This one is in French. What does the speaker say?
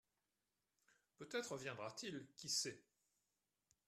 Peut-être viendra-t-il qui sait ?